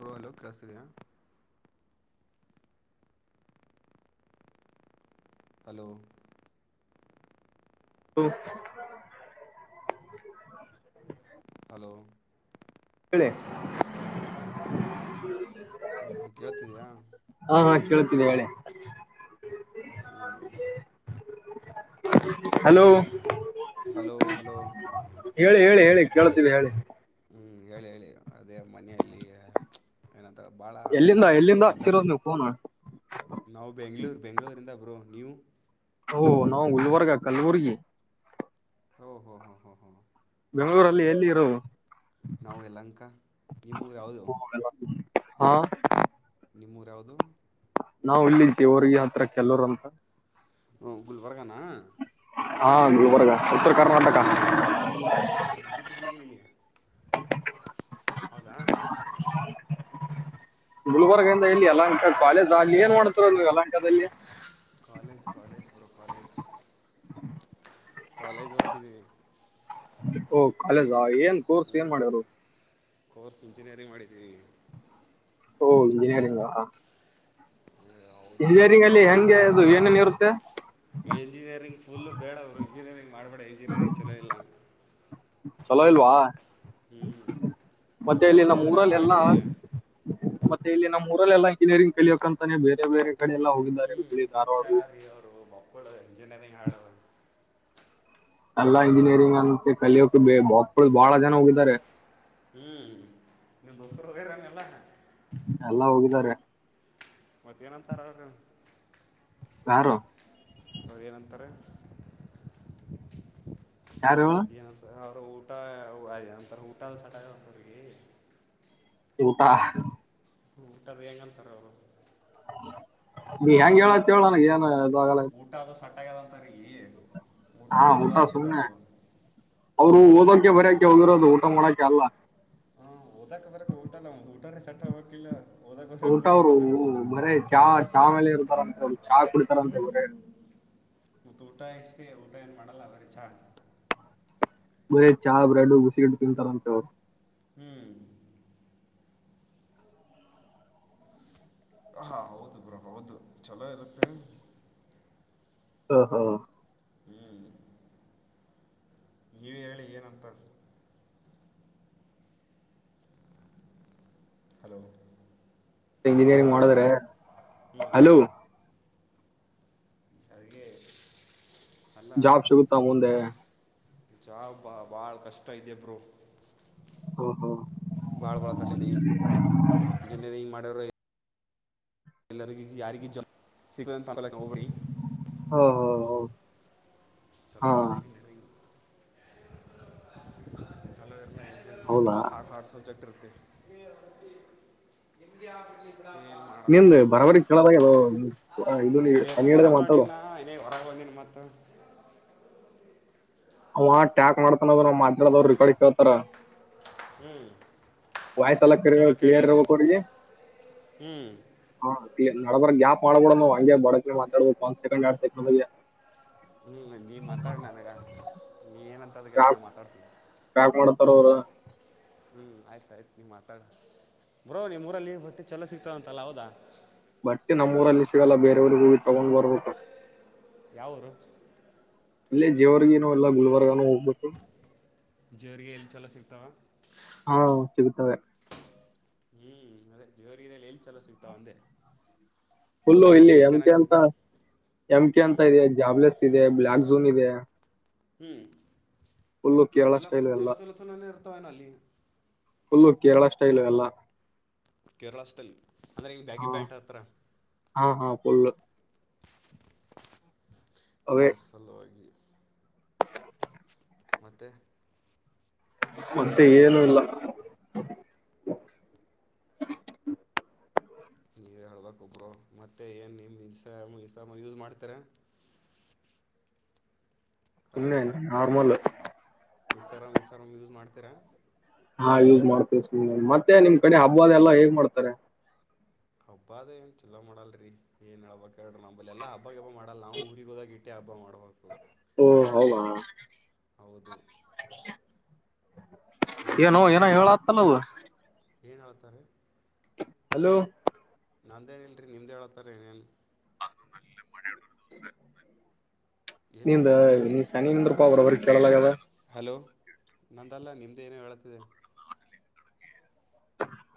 ಹ ಅಲೋ ಕೇಳಿಸತಿದಯಾ ಹಲೋ ಹ್ಮ ಹಲೋ ಕಳೆ ಕೇಳ್ತಿದಯಾ ಕೇಳುತ್ತಿದೆ ಹೇಳಿ ಹ್ಮ್ ಹಲೋ ಹಲೋ ಹಲೋ ಹೇಳಿ ಹೇಳಿ ಹೇಳಿ ಕೇಳಳ್ತೀವಿ ಹೇಳಿ ಹ್ಞೂ ಹೇಳಿ ಹೇಳಿ ಅದೇ ಮನೆಯಲ್ಲಿ ಏನಂತ ಎಲ್ಲಿಂದ ಎಲ್ಲಿಂದ ಆಗ್ತಿರೋದು್ ನೀವು ಫೋನ ನಾವು ಬೆಂಗ್ಳೂರು ಬೆಂಗಳೂರಿಂದ ಬ್ರೋ ನೀವು ಓ ನಾವು ಗುಲ್ವರ್ಗ ಕಲ್ಬುರ್ಗಿ ಹಓ ಹೋ ಹ ಹ ಹ ಬೆಂಗಳೂರಲ್ಲಿ ಎಲ್ಲಿ ಇರೋ ನಾವು ಎಲ್ಲಂಕ ಈ ಮೂರು ಯಾವುದು ಹಾ ನಿಮ್ಮೂರ ಯಾವುದು ನಾವ್ ಇಲ್ಲಿತಿವ್ರಿಗೆ ಹತ್ರ ಕೆಲೋರು ಅಂತ ಹ ಉ ವರಗಾನ ಹಾ ಗುಲ್ಬರ್ಗ ಉತ್ತರ ಕರ್ನಾಟಕ ಉತ್ತರ ಕರ್ನಾಟಕ ಗಿಚ್ಚಿಗಿಲಿಗಿಲಿ ಹೌದಾ ಗುಲ್ಬರ್ಗಿಂದ ಇಲ್ಲಿ ಅಲಾಂಕ ಕಾಲೇಜ್ ಆಗ್ಲಿ ಏನ್ ಮಾಡತರು ಅ ಯಲಾಂಕದಲ್ಲಿ ಕಾಲೇಜ್ ಕಾಲೇಜ್ ಬರೋ ಕಾಲೇಜ್ ಕಾಲೇಜ್ ಓದ್ತಿದ್ದೀವಿ ಓ ಕಾಲೇಜ ಏನ್ ಕೋರ್ಸ್ ಏನ್ ಮಾಡ್ಯಾರ ಕೋರ್ಸ್ ಇಂಜಿನಿಯರಿಂಗ್ ಮಾಡಿದ್ದೀವಿ ಓ ಇಂಜಿನಿಯರಿಂಗ್ ಹೌದು ಬ್ರೋ ಇಂಜಿನಿಯರಿಂಗ್ ಅಲ್ಲಿ ಹೆಂಗೆ ಅದು ಏನೇನು ಇರುತ್ತೆ ಇಂಜಿನಿಯರಿಂಗ್ ಫುಲ್ಲು ಬೇಡ ಅವರು ಇಂಜಿನಿಯರಿಂಗ್ ಮಾಡಬೇಡ ಇಂಜಿನಿಯರಿಂಗ್ ಚೆನ್ನೋ ಇಲ್ಲ ಚಲೋ ಇಲ್ವಾ ಹ್ಮ್ ಮತ್ತೆ ಚೊಲೋ ಇಲ್ಲಿ ಇದೆ ನಮ್ ಆದ್ರೆ ಊರಲ್ಲಿ ಎಲ್ಲಾ ಹಾಡಿದ ಇಲ್ಲಿ ನಮ್ಮ ಊರಲ್ಲ ಇಂಜಿನಿಯರಿಂಗ್ ಕಲಿಯಕಂತಾನೇ ಬೇರೆ ಬೇರೆ ಕಡೆ ಎಲ್ಲ ಹೋಗಿದ್ದಾರೆ ಹ್ಮ್ ಹುಬ್ಳಿ ಹ ಧಾರವಾಡ ಚಾರ ರೀ ಅವರು ಮಕ್ಕಳು ಇಂಜಿನಿಯರಿಂಗ್ ಹಾಡ ಎಲ್ಲಾ ಇಂಜಿನಿಯರಿಂಗ್ ಅಂತ ಕಲಿಯೋಕ ಬ ಮಕ್ಳ ಬಾಳ ಜನ ಹೋಗಿದ್ದಾರೆ ಹ್ಮ್ ನಿಮ್ ದಸರ ಹದೇರಾನ ಎಲ್ಲ ಎಲ್ಲ ಹೋಗಿದ್ದಾರೆ ಮತ್ತ ಏನಂತಾರ ಅವರು ಕಾರಾರ ಹಾಗದೇನಂತಾರೆ ಯಾರು ಊಟ ಅಂತ ಊಟ ಸಟಂತ್ರರಿಗೆ ಊಟಾ ಹಊಟ ಬಗೆಂತಾರ ಅವರು ನೀ ಹೆಂಗ ಹೇಳತ್ತ ಹೇಳನ ಏನ್ಗಲ್ಲ ಸೆಟ್ ಆಗಲ್ಲ ಅಂತಾರೆ ಹಾ ಊಟಾ ಸುನೆ ಅದು ಅವರು ಹಕಕ್ಕೆ ಬರಯಕೆ ಹೋಗದಿರೋದು ಊಟ ಮಾಡೋಕೆಲ್ಲ ಹಾ ಓದಕ್ ದಕ ಊಟಲ್ಲ ಒಂದ ಊಟ ಸಟ್ಟ ಹೋಗ್ಲಿಲ್ಲ ಊಟ ಅವ್ರು ಬರೇ ಚಾ ಚಾ ಮೇಲೆ ಇರುತಾರ ಅಂತೆ ಅವರು ಚಾ ಕುಡಿತಾರ ಅಂತೆ ಬರೇ ಮತ್ತ ಊಟ ಇಷ್ಟೇ ಊಟ ಏನ್ ಮಾಡಲ್ಲ ಬರಿ ಚಛಾ ಮರ ಚಹಾ ಬ್ರೆಡ್ ಬಿಸಿಟ್ಟು ತಿಂತಾರಂತೆವ್ರು ಹ್ಮ್ ಹಾ ಹೌದು ಬ್ರಾ ಹೌದು ಚಲೋ ಇರುತ್ತೆ ಹ ಹಾ ಹ್ಞೂ ನೀವೇ ಹೇಳಿ ಏನಂತ. ಹಲೋ ಹಲೋ ಇಂಜಿನಿಯರಿಂಗ್ ಹಲೋ ಮಾಡದ್ರೆ ಹ್ಞೂ ಹಲೋ ಹಾಗಕ್ಕೆ [inaudible] ಜಾಬ್ ಸಿಗುತ್ತಾ ಮುಂದೆ ಜಾ ಬಾ ಬಾಳ ಕಷ್ಟ ಇದೆ ಬ್ರೋ ಹೂ ಹೋ ಭಾಳ ಭಾಳ ಕಷ್ಟ ಇದೆ ಎಲ್ಲರಿಗ ಯಾರಿಗ ಜ ಸಿಗ ಹಾ ಹಾ ಹಾ ಚಲೋ [unintelligible] ಹೌದಾ ಬಕುಲ್ ಹಾರ್ಟ ಹಾರ್ಟ ಸಬ್ಜೆಕ್ಟ್ ಇರುತ್ತ. ನಿಮ ಬರಬಡ ಕೇಳದಾಗ ಅ ಇ ಇಯರ್ಫೋನ್ ಸನಿಡಗೆ ಮಾತಾಡುವ. ಹಾಕೊಂಡಿನ ಏನೇ ಹೊರಗೆ ಬಂದಿ ಮತ್ತು ಅವ ಟ್ಯಾಕ್ ಮಾಡ್ತಾನದ ಮಾತಡದರು ರಿಕಾರ್ಡ್ ಕೇಳ್ತಾರ. ಹ್ಮ್ ವಾಯಸ್ ಅರ್ ಕೊ ಹ್ಞೂ ಹ ಮಾಡಡಬರ ಗ್ಯಾಪ್ ಮಾಡ್ಬೋಡ ನ್ ಹಂಗೆ ಬಡಕ ಮಾತಾಡ್ಬೋು ಒಂದ್ ಸಕಂಡ್ ಆಡ್ ಸೆಕೆ ಬಗ್ಗೆ ಹ್ಮ್ ನೀ ಮಾತಾಡ ನಾನಗ ನೀ ಏನಂತ ಅದಕ್ಕೆಲ್ಲ ನಾ ಮಾತಾಡ್ತೀನಿ. ಯಾಕ್ ಮಾಡತಾರ ಅವರು ಹ್ಮ್ ಆಯ್ತಾಯ್ತ್ ನೀ ಮಾತಾಡ ಬ್ರೋ ನಿಮ್ ಊರ ಲೀವ್ ರೊಟ್ಟಿ ಚಲೋ ಸಿಗ್ತಾರಂತಲ್ಲ ಹೌದಾ ಬಟ್ಟೆ ನಮ್ಮೂರಲ್ಲಿ ಸಿಗಲ್ಲ ಬೇರೆಯವರಿಗೂ ಇ ತಗೊಂಡ್ ಬರ್ಬೇಕು ಯಾವರು ಅಲ್ಲೇ ಜೇವರ್ಗೇನ ಎಲ್ಲ ಗುಲ್ಬರ್ಗಾನೂ ಹೋಗ್ಬೇಕು. ಜರಿಗೆ ಎಲ್ಲಿ ಚೆಲ ಸಿಗ್ತಾವ. ಹಾ ಸಿಗುತ್ತವೆ. ಹ್ಮ್ ಮತ್ತೆ ಜೋರಲ್ಲಿ ಏನ್ ಚಲೋ ಸಿಗ್ತಾವ ಒಂದೆ. ಹುಲ್ಲು ಇಲ್ಲಿ ಅಮಕ ಅಂತ ಎಮ ಕೆ ಹ್ಞೂ ಅಂತ ಇದೆ ಜಾಬ್ಲೆಸ್ ಇದೆ ಬ್ಲಾಕ್ ಝೋನ್ ಇದೆ ಹ್ಮ್ ಫುಲ್ಲು ಕೇರಳ ಎಲ್ಲಾ ಸ್ಟೈಲ್ ಫುಲ್ ಎಲ್ಲ ಚಲೋ ಚಲೋ ಚಲನೇ ಇರ್ತವನ ಅಲ್ಲಿ ಫುಲ್ಲು ಕೇರಳ ಸ್ಟೈಲು ಎಲ್ಲ. ಕೇರಳ ಸ್ಟೈಲ್ ಅಂದ್ರೆ ಹಿಂಗೆ ಬ್ಯಾಗಿ ಹಾ ಪ್ಯಾಂಟ್ ಹತ್ರ ಹಾ ಹಾ ಪಳ್ಳು ಅವೇ ಅದರ ಸಲುವಾಗಿ. ಮತ್ತೆ ಮತ್ತೆ ಏನು ಇಲ್ಲ. ನೀವೇ ಹೇಳ್ಬೇಕ್ ಬ್ರೋ ಮತ್ತೆ ಏನ್ ನಿಮ್ ಇನ್ಸ್ಟ ಇಟ ಯೂಸ್ ಮಾಡ್ತಾರೆ ಷೂ ಸುಮ್ಮನೆ ನಾರ್ಮಲ್ ಇನ್ಸ್ಟಾಗ್ರಾಮ್ ಇನ್ಸ್ಟಾಗ್ರಾಮ್ ಯೂಸ್ ಮಾಡ್ತೀರಾ ಹಾ ಯೂಸ್ ಮಾಡ್ತೇವಿ ಸ ಮತ್ತೆ ನಿಮ್ ಕಡೆ ಹಬ್ಬವದ ಎಲ್ಲ ಹೇಗ್ ಮಾಡ್ತಾರೆ ಹಬ್ಬ ಅದ ಏನ್ ಚಲೋ ಮಾಡಲ್ರಿ ಏನ್ ಹೇಳ್ಬ ಹೇಳಡ್ರ ನಂಬಳ ಎಲ್ಲಾ ಹಬ್ಬ ಹಬ್ಬಕ್ಕೆ ಹಬ್ಬ ಮಾಡಲ್ಲ ನಾವು ಊರಿಗೆ ಹೋದಾಗ ಇಟ್ಟೇ ಹಬ್ಬ ಮಾಡಬೇಕು ಓ ಅಷ್ಟೇ ಹೌದಾ ಹೌದು ಇದೇನು ಏನೋ ರೀ ಏನೋ ಹೇಳತ್ತಲ್ಲವು ಏನು ಹೇಳ್ತಾರೆ ಹಲೋ ನಂದೇನ ಇಲ್ರರಿ ನಿಮ್ದ ಹ ಹೇಳತಾರ ಏನೇನ್ ನ ಮಳೆ ದ ಏನು ನಿಂದ ಮಾತಾಡತ್ತಾರೆ ನೀ ಶನಂದ್ರಪ್ಪ ಅವ್ರ ಅವ್ರ ಕೇಳಲಾಗದ ಹಲೋ ನಂದಲ್ಲ ನಿಮ್ದೇ ಏನೇ ಹೇಳತಿದೆ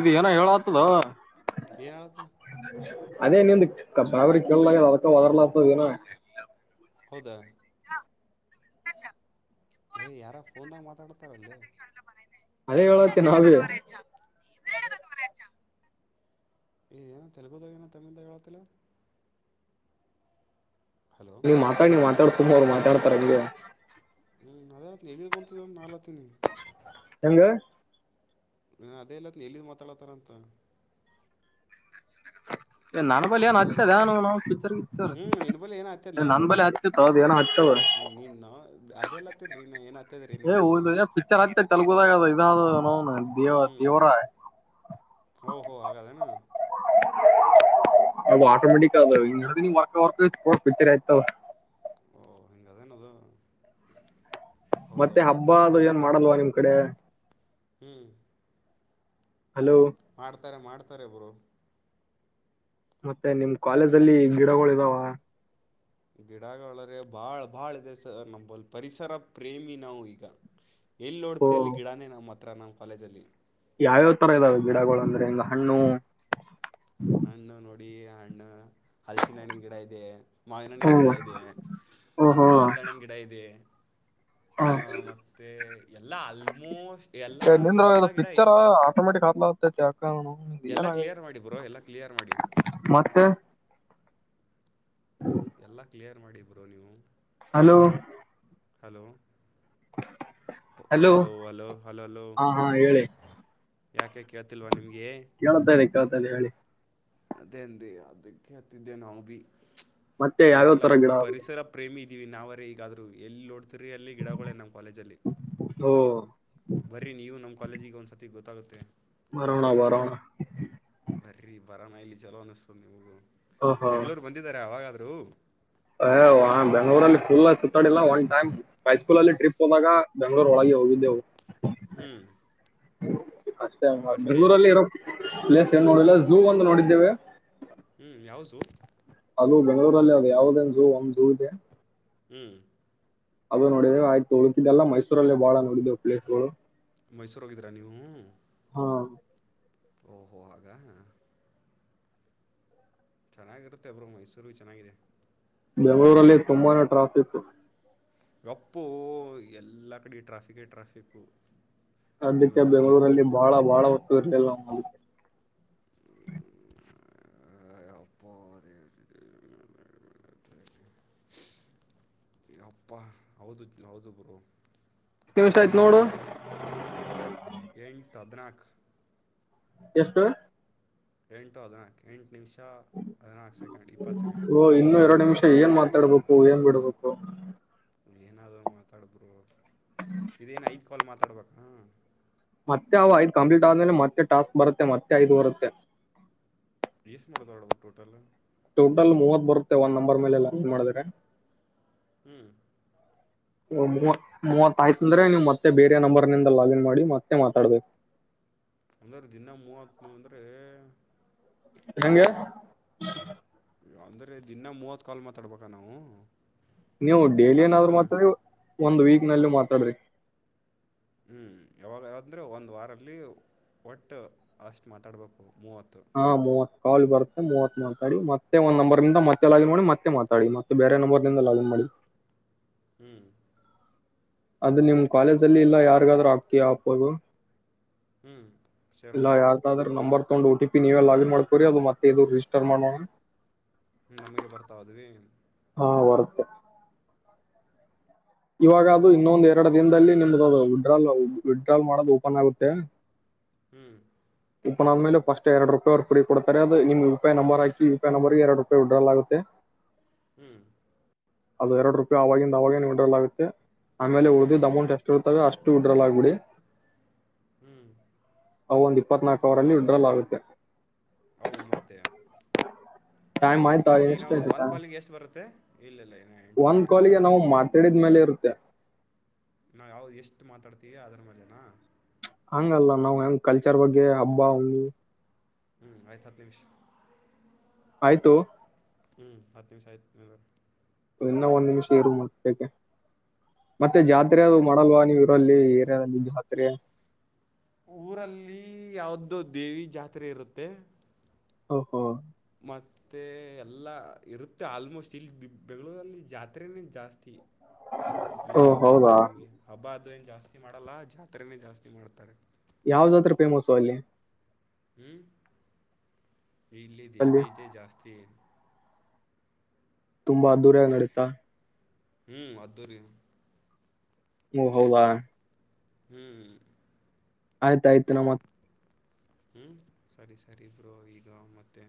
ಇದು ಏನ ಹೇಳತದ ಹ ಹಳದು ಅದೇ ನೀಂದು ಬಾಬರಿ ಕೇಳಲಾಗ ಅದಕ್ಕ ಒದರ್ಲ ಆಗ್ತದ ನ ಹೌದಾ ಏ್ ಯಾರ ಫೋನ್ದಾಗ ಮಾತಾಡ್ತಾರಲ್ಲಿ ಅದೇ ಹೇಳಕ್ಕೆ ನಾವ ಈ ಏನೋ ತೆಲುಗುದಾಗ ಏನೋ ತಮಿಳದಾಗ ಹೇಳತಿಲ್ಲ ಹಲೋ ನೀವ್ ಮಾತಾಡಿ ನೀವ್ ಮಾತಾಡ್ ತುಂಬ ಅವ್ರು ಮಾತಾಡ್ತಾರಂಗ ಹ್ಮ್ ನಾವ ಎಲ್ಲಿಿದ್ ಬಂತ ನಾ ಹತೀನಿ ಹೆಂಗ ನ ಅದೇ ಇಲ್ಲತ್ ಎಲ್ಲಿಿದ್ ಮಾತಾಡತಾರಂತ ನನ್ ಬಳ ಏನ್ ಅದೇ ಇಲ್ಲ ಹಚ್ಚದ ಏ ನಾವು ಪಿಚರ್ ಹ್ಮ್ ನಿನ್ ನನ್ ಬಳ ಹಚ್ಚತ ಏನ ಹಚ್ಚ ಹ್ಮ ನೀನ್ ಅದೆಲ್ಲ ಹತ್ತರಿರಿ ಏನ್ ಹತ್ತದ್ರೀ ಏ ನಿಂಬಲ್ಲಿ ನ ದೇವ ದೇವ್ರ ಓ ಹೋ ಆಗದೆನು ಅದು ಆಾಟೋಮೇಟಿಕ್ ಅದು ವರ್ ವರ್ಿರ್ ಆಯ್ತಾವ ಓ ಹಿಂಗದೇನದು ಮತ್ತೆ ಹೌದೌದು ಹಬ್ಬ ಬ್ರೋ ಅದು ಏನ್ ಓಕೆ ಮಾಡಲ್ವಾ ನಿಮ್ ಕಡೆ ಹ್ಮ್ ಹಲೋ ತಾರೆ ಮಾಡ್ತಾರೆಬ್ರು ಮತ್ತೆ ನಿಮ್ ಕಾಲೇಜ ಅಲ್ಲಿ ಗಿಡಗಳ ಇದಾವ ಗಿಡಳ್ರ ಬಾಳ್ ಬಾಳ ಇದೆ ಸ ನಮ್ಮಲ್ಲಿ ಪರಿಸರ ಪ್ರೇಮಿ ನಾವು ಈಗ ಎಲ್ಲಿ ಓ ನೋಡ್ತ ಅಲ್ಲಿ ಗಿಡನೇ ನಮ್ಮ ಹತ್ರ ನಮ್ಮ ಕಾಲೇಜಲ್ಲಿ ಯಾವ್ಯಾವ್ ತರ ಇದಾವೆ ಗಿಡಗಳು ಅಂದ್ರೆ ಹಿಂಗ ಹಣ್ಣು ಹಣ್ಣು ನೋಡಿ ಹಣ್ಣ ಹಲ್ಸಿನ ಹಣ್ಣಿನ ಗಿಡ ಇದೆ ಮಾವಿನ್ಣನ್ ಹ್ಮ್ ಗಿಡ ಇದೆ ಓಹೋ ಮತ್ತೆ ನೀಲ್ದಣ್ಣನ್ ಗಿಡ ಇದೆ ಹ ಮತ್ತೆ ಎಲ್ಲಾ ಆಲ್ಮೋಸ್ಟ್ ಎಲ್ಲಾ ಎಲ್ಲಾ ಗಿಡ ಐತೆ ಲ ಚಾಕನ ಮಾಡಿ ಬ್ರೋ ಎಲ್ಲ ಕ್ಲಿಯರ್ ಮಾಡಿ ಮತ್ತೆ ಎಲ್ಲಾ ಕ್ಲಿಯರ್ ಮಾಡಿಬರು ನೀವು hello hello hello hello hello hello ಹಾ ಹಾ ಹೇಳಿ ಯಾಕೆ ಕೇಳ್ತಿಲ್ವಾ ನಿಮ್ಗೆ ಕೇಳ್ತನೆಿ ಕೇಳ್ತನೆಿ ಹೇಳಿ ಅದ ಅದಕ್ಕೆತಿದ್ದ ನ ಭ ಮತ್ತೆ ಯಾವ್ಯಾವ ಏನಿಲ್ಲ ತರ ಗಿಡ ಪರಿಸರ ಪ್ರೇಮಿ ಇದೀವಿ ನಾವರೇ ಈಗಾದ್ರು ಎಲ್ಲಿ ನೋಡ್ತವಿ ರಿ ಅಲ್ಲಿ ಗಿಡಗಳಳೆ ನಮ್ಮ ಕಾಲೇಜಲ್ಲಿ ಓ ಬರೀ ನೀವು ನಮ ಕಾಲೇಜಿಗೆ ಕನ್ಸತಿ ಬಾಗತ್ತ ಬರೋಣ ಬರೋಣ ಬರಿ ಬರಾನ ಇಲ್ಲಿ ಚಲೋ ಅನಿಸ್ತದ ನಿಮಗೂ ಬೆಂಗಳೂರ್ ಬಂದಿದಾರ ಅವಾಗಾದ್ರೂ ಬೆಂಗ್ಗಳೂರಲ್ಲಿ ಕಫೂಲ್ ಸುತ್ತಾಡಿಲ್ಲ ಒನ್ ಟೈಮ್ ಹೈಸ್ಕೂಲ್ ಅಲ್ಲಿ ಟ್ರಿಪ್ ಹೋದಾಗ ಬೆಂಗ್ಳೂರ್ ಒಳಗ ಿದ್ದ ಹ್ಮ್ ಅಷ್ಟ ಬೆಂಗಗಳೂರಲ್ಲಿ ಇರೋ ಪ್ಲೇಸ್ ಏನ್ ನೋಡಿಲ್ಲ ಝೂ ಒಂದು ನೋಡಿದ್ದೇವೆ ಹ್ಞೂ ಯಾವುದು ಅದು ಬೆಂಗಳೂರಲ್ಲಿ ಅದು ಯಾವ್ದನ್ ಝೂ ಒಮ್ ಝೂ ಇದೆ ಹ್ಮ್ ಅದು ನೋಡವೆ ಆಯ್ತು ಉಳಿತಿದ್ದಿದೆಲ್ಲ ಮೈಸೂರಲ್ಲಿ ಬಾಳ ನೋಡಿದ್ದೇವು ಪ್ಲೇಸ್ಗಳು ಮೈಸೂರ ಹೋಗಿದ್ದೀರಾ ನೀವು ಹಾ ಓಹೋ ಹಾಗ ಹಾ ಚೆನ್ನಾಗಿರುತ್ತೆಬ್್ರರು ಮೈಸೂರಿಗ ಚೆನ್ನಾಗಿದೆ ಬೆಂಗಳೂರಲ್ಲಿ ತುಂಬಾನೇ ಟ್ರಾಫಿಕ್ ಒಪ್ಪು ಎಲ್ಲ ಕಡೆ ಟ್ರಾಫಿಿಕೇ ಟ್ರಾಫಿಕ್ು ಅದಕ್ಕೆ ಬೆಂಗಳೂರಲ್ಲಿ ಬಾಳ ಬಾಳ ವಸ್ತು ಇರ್ಲಿಲ್ಲ ನ್ ಅದಕ್ಕೆ ಅಪ್ಪ ಅದೇ ಅಪ್ಪ ಹೌದು ಹೌದು ಬ್ರೋ ಕೆಮಷ್ಟ ಆಯ್ತು ನೋಡು ಎಂು ಹದನಾಕ ಎಷ್ಟು ಎಂಟು ಅದ್ರಾ ಎಂಟು ನಿಮಿಷ ಹದಿನಾಲ್ಕು ಸೆಕೆಂಡ್ ಇಪ್ಪತ್ತು ಸೆಕೆಂಡ್ ಓ ಇನ್ನು ಎರಡು ನಿಮಿಷ ಏನ್ ಮಾತಾಡ್ಬೇಕು ಏನ್ ಬಿಡ್ಬೇಕು ಏನಾದೂ ಮಾತಾಡಬರು ಇದೇನ್ ಐತ್ ಕಾಲ್ ಮಾತಾಡ್ಬೇಕಾ [inaudible] ಮತ್ತೆ ಅ ಐದ್ ಕಂಪ್ಲೀಟ್ ಆದ್ಮೇಲೆ ಮತ್ತೆ ಟಾಸ್ಕ್ ಬರುತ್ತೆ ಮತ್ತೆ ಐದ್ ಬರುತ್ತೆ ಸ್ ಮಾಡೋದ ಅವಡ ಟೋಟಲ್ [inaudible] ಟೋಟಲ್ ಮೂವತ್ ಬರುತ್ತೆ ಒಂದ್ ನಂಬರ್ ಮೇಲೆ ಲಾಗಿನ್ ಮಾಡಿದ್ರೆ ಹ್ಮ್ ಓ ಮೂವತ್ ಮೂವತ್ತಾಯ್ತ ಅಂದ್ರೆ ನೀವು್ ಮತ್ತೆ ಬೇರೆ ನಂಬರ್ನಿಂದ ಲಾಗಿನ್ ಮಾಡಿ ಮತ್ತೆ ಮಾತಾಡ್ಬೇಕು ಒಂದ್ರ ದಿನ ಮೂವತ್ ಅಂದ್ರೆ ಹೆಂಗೆ ಅಂದ್ರೆ ದಿನ ಮೂವತ್ ಕಾಲ್ ಮಾತಾಡ್ಬೇಕ ನಾವು ನೀವು ಡೈಲಿ ನಮ್ಮ ಏನಾದ್ರು ಇಷ್ಟನಾ ಮಾತಾಡ್ರಿ ಒಂದ್ ವೀಕ್ ನಲ್ಲಿ ಮಾತಾಡ್ರಿ ಹ್ಮ್ ಯಾವಾಗ ಅಂದ್ರೆ ಒಂದ್ ವಾರಲ್ಲಿ ಒಟ್ಟ ಅಷ್ಟ್ ಮಾತಾಡ್ಬೇಕು ಹಾ ಮೂವತ್ ಕಾಲ್ ಬರುತ್ತೆ ಮೂವತ್ ಮಾತಾಡಿ ಮತ್ತೆ ಕಾಲ್ ಬರುತ್ತೆ ಮೂವತ್ ಮಾತಾಡಿ ಒಂದ್ ಕಾಲ್ ಬರುತ್ತೆ ಮೂವತ್ ಮಾತಾಡಿ ಮತ್ತೆ ಒಂದು ನಂಬರ್ ನಿಂದ ಮತ್ತೆ ಲಾಗಿನ್ ಮಾಡಿ ಮತ್ತೆ ಮಾತಾಡಿ ಮತ್ತೆ ಬೇರೆ ನಂಬರ್ ನಿಿಂದ ಲಾಗಿನ್ ಮಾಡಿ ಹ್ಮ್ ಅದು ನಿಮ್ ಕಾಲೇಜ ಅಲ್ಲಿ ಇಲ್ಲ ಯಾರಿಗಾದರೂ ಹಾಕ್ತೀಯ ಅಪೋಲೋ ಹ್ಞೂ ಶೇರ್ ಇಲ್ಲ ಮಾಡೋಣ ಯಾರ್ದಾದ್ರ number account O T P ನೀವೇ ಲಾಗಿನ್ ಮಾಡ್ಕೋರಿ ಅದು ಮತ್ತೇ ಇದು ರಿ ಸ್ಟಾರ್ಟ್ ಮಾಡೋಣ ಹ್ಮ ನಮಗೆ ಬರ್ತಾಇದ್ವಿ ಹಾ ವರ್ತೆ ಇವಾಗ ಅದು ಇನ್ನೊಂದು ಎರಡು ದಿನದಲ್ಲಿ ನಿಮ್ದು ವಿತ್ಡ್ರಾಲ್ ವಿತ್ಡ್ಡ್ರಾಲ್ ಮಾಡೋದು ಓಪನ್ ಆಗುತ್ತೆ ಹ್ಮ್ ಓಪನ್ ಆದ್ಮೇಲೆ ಫಸ್ಟ್ ಎರಡು ರೂಪಾಯಿ ಫ್ರೀ ಕೊಡ್ತಾರೆ ಅದು ನಿಮ್ಮ ಯುಪಿಐ ನಂಬರ್ ಹಾಕಿ ಯುಪಿ ಐ ನಂಬರ್ಗೆ ಎರಡು ರೂಪಾಯಿ ವಿತಡ್ರಾ ಆಗುತ್ತೆ ಹ್ಮ್ ಅದು ಎರಡು ರೂಪಾಯಿ ಆವಾಗಿಂದ ಅವಾಗೇ ವಿತ್ ಡ್ರಾಲ್ ಆಗುತ್ತೆ ಆಮೇಲೆ ಹ್ಞೂ ಉಳಿದಿದ್ ಅಮೌಂಟ್ ಎಷ್ಟು ಇರ್ತಾವವೆ ಅಷ್ಟ ಟು ವಿತ್ ಡ್ರಾಲ್ ಆಗ್ಬಿಡಿ.. ಹ್ಮ್ ಅವ ಒಂದ್ ಇಪ್ಪತ್ ನಾಲ್ಕು ಹವರ ಅಲ್ಲಿ ವಿತ್ಡ್ರಾಲ್ ಆಗುತ್ತೆ ಅವು ಮತ್ತೆ ಟೈಮ್ ಆಯ್ತಾ ಈಗ ಎಷ್ಟು ನಾವು ಆಯ್ತು ಒಂದ್ ಕಾಲಿಂಗ್ ಎಷ್ಟು ಬರುತ್ತೆ ಇಲ್ಲಿಲ್ಲ ಇ ಎಂಟು ಸೆಕೆಂಡ್ ಕೇಳಿದ್ಮೇಲೆ ಇರುತ್ತೆ ನಾ ಯಾವ್ದ ಎಷ್ಟು ಮಾತಾಡ್ತೀವಿ ಅಂದ್ರ ಮೇಲೆೇನಾ ಹಂಗಲ್ಲ ನಾವ್ ಹೆಂಗ ಕಲ್ಚರ್ ಬಗ್ಗೆ ಹಬ್ಬ ಹು ಹ್ಮ್ ಆಯ್ತು ಹತ್ತು ನಿಮಿಷ ಆಯ್ತು ಹ್ಮ್ ಹತ್ತು ನಿಮಿಷ ಆಯ್ತು ಇನ್ನ ಕಟ್ ಒಂದ್ ನಿಮಿಷ ಮಾಡ್ತೀನಿ ಇರು ಮಾಡ್ಬೇಕಕ್ಕೆ ಮತ್ತೆ ಮಾ ಜಾತ್ರೆ ಕಟ್ ಅದು ಮಾಡಿ ಮಾಡಲ್ವಾ ನೀವ್ ಇರಲ್ಲಿ ಏರಿಯಾದಲ್ಲಿ ಜಾತ್ರೆ ಊರಲ್ಲಿ ಯಾವ್ದು ದೇವಿ ಜಾತ್ರೆ ಇರುತ್ತೆ ಹಓ ಹೋ ಮತ್ತೆ ಎಲ್ಲ ಇರುತ್ತೆ ಆಲ್ಮೋಸ್ಟ್ ಇಲ್ಲಿ ಬೆಂಗಳೂರಲ್ಲಿ ಜಾತ್ರೆೇನೆ ಜಾಸ್ತಿ ನಿಜ ಓ ಹೌದಾ ಹೇಳ್ಬೇಕಂತ್ರ ನಿಮ್ಗೆ ಹಬ್ಬ ಆದ ಜಾಸ್ತಿ ಮಾಡಲ್ಲ ಜಾತ್ರೆನೇ ಜಾಸ್ತಿ ಮಾಡ್ತಾರೆ ಯಾವ್ದತ್ರ ಫೇಮಸ್ು ಅಲ್ಲಿ ಹ್ಮ್ ಇಲ್ಲಿ ಅಲ್ಲಿ ದೇವಿದೆ ಜಾಸ್ತಿ ತುಂಬಾ್ದೂರಾಗ ನಡೀತಾ ಹ್ಮ್ ಅದ್ದೂರಿ ಓ ಹೌದಾ ಹ್ಮ್ ಆಯ್ತಾಯ್ತು ನಮ್ಮತ್ ಹ್ಮ ಸರಿ ಸರಿ ಇಬ್ರುೋ ಈಗ ಮತ್ತೆ